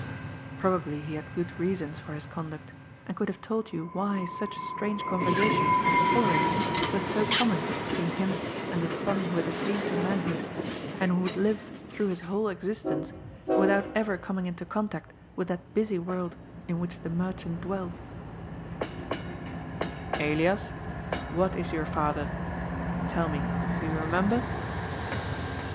Probably he had good reasons for his conduct, and could have told you why such strange conversations as the follow ing were so common between him and the son who had attained to manhood, and who would live through his whole existence, without ever coming into contact with that busy world in which the merchant dwelt " Elias, what is your father ? Tell me, do you remem ber?"